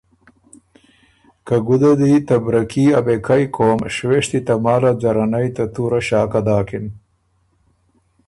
که ګُده دی ته برکي ا بېکئ قوم شوېشتُو تماله ځرنئ ته تُوره ݭاکه داکِن۔